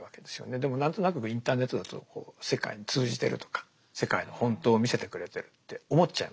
でも何となくインターネットだと世界に通じてるとか世界の本当を見せてくれてるって思っちゃいますよね。